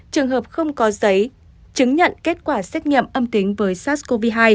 trường hợp không có giấy chứng nhận kết quả xét nghiệm âm tính với sars cov hai